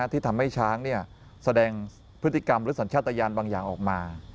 ที่ทำให้ช้างแสดงพฤติกรรมหรือสัญชาติยานบางอย่างออกมา